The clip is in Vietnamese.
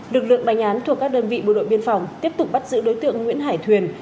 lực lượng đánh án thuộc các đơn vị bộ đội biên phòng tiếp tục bắt giữ đối tượng nguyễn hải thuyền